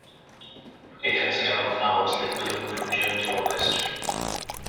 It has yellow flowers that bloom from June to August.